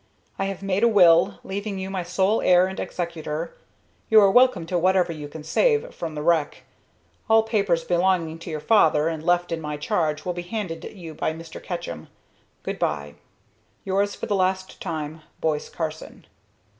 I have made a will, leaving you my sole heir and executor. You are welcome to whatever you can save from the wreck. All papers belonging to your father and left in my charge will be handed you by Mr. Ketchum. Good bye. "Yours, for the last time, "BOISE CARSON."